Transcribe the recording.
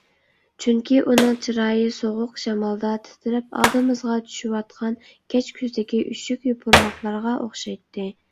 چۈنكى، ئۇنىڭ چىرايى سوغۇق شامالدا تىترەپ ئالدىمىزغا چۈشۈۋاتقان كەچكۈزدىكى ئۈششۈك يوپۇرماقلارغا ئوخشايتتى.